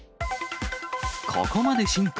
ここまで進化！